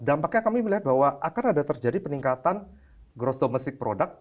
dampaknya kami melihat bahwa akan ada terjadi peningkatan gross domestic product